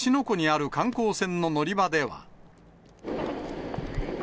湖にある観光船の乗り場では。